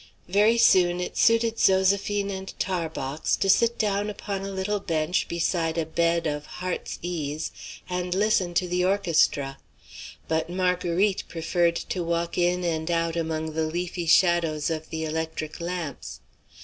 Very soon it suited Zoséphine and Tarbox to sit down upon a little bench beside a bed of heart's ease and listen to the orchestra. But Marguerite preferred to walk in and out among the leafy shadows of the electric lamps.